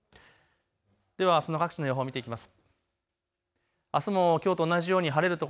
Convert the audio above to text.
ではあすの各地の予報を見ていきます。